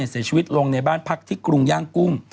เสียชีวิตลงในบ้านพักที่กรุงย่างกุ้ง